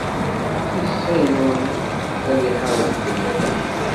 Si Ṣiyun, ad d-iḥareb fell-ak.